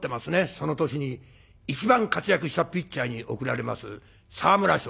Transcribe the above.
その年に一番活躍したピッチャーに贈られます沢村賞。